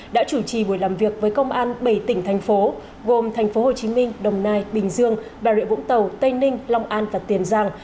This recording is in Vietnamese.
đã chủ trì buổi làm việc với công an bảy tỉnh thành phố gồm tp hcm đồng nai bình dương bà rịa vũng tàu tây ninh long an và tiền giang